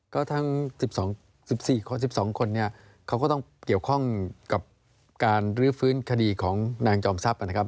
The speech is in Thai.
ก็ทั้งสิบสองสิบสี่สิบสองคนเนี่ยเขาก็ต้องเกี่ยวข้องกับการรื้อฟื้นคดีของนางจอมทรัพย์อ่ะนะครับ